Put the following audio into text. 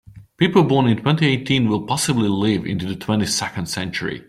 People born in twenty-eighteen will possibly live into the twenty-second century.